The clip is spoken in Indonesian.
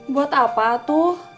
buat apa tuh